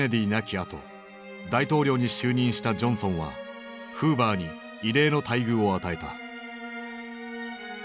あと大統領に就任したジョンソンはフーバーに異例の待遇を与えた。